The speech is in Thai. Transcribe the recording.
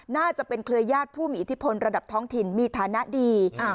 น่าจะเป็นเครือญาติผู้มีอิทธิพลระดับท้องถิ่นมีฐานะดี